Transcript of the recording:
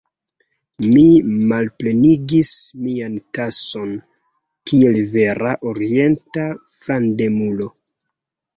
Mi malplenigis mian tason kiel vera Orienta frandemulo.